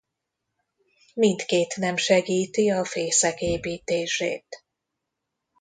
Mindkét nem segíti a fészek építését.